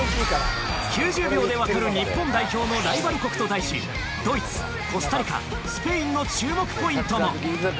９０秒で分かる日本代表のライバル国と題しドイツ、コスタリカスペインの注目ポイントも。